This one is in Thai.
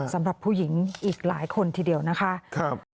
สำหรับผู้หญิงอีกหลายคนทีเดียวนะคะ